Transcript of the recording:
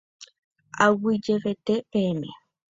Aguyjevete peẽme.